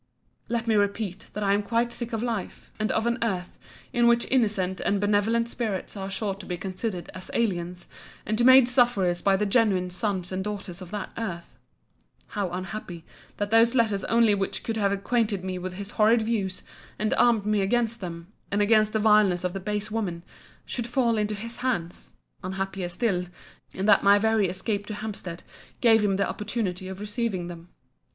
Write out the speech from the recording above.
Let me repeat, that I am quite sick of life; and of an earth, in which innocent and benevolent spirits are sure to be considered as aliens, and to be made sufferers by the genuine sons and daughters of that earth. How unhappy, that those letters only which could have acquainted me with his horrid views, and armed me against them, and against the vileness of the base women, should fall into his hands!—Unhappier still, in that my very escape to Hampstead gave him the opportunity of receiving them.